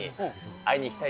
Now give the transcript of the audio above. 会いに行きたい。